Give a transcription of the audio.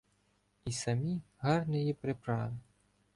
І самі гарниї приправи